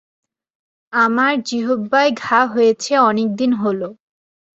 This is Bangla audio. আমার জিহ্বায় ঘা হয়েছে অনেকদিন হল।